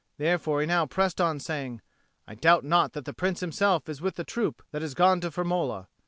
Therefore he now pressed on, saying, "I doubt not that the Prince himself is with the troop that has gone to Firmola."